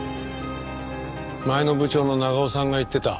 前の部長の長尾さんが言ってた。